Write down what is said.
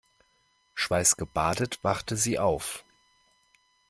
Schweißgebadet wachte sie auf.